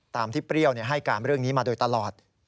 ตามที่เปรี้ยวให้การเรื่องนี้มาโดยตลอด